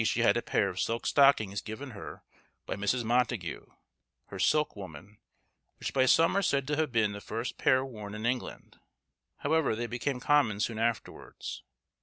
] In 1560, she had a pair of silk stockings given her by Mrs. Montagu, her silk woman, which by some are said to have been the first pair worn in England; however, they became common soon afterwards.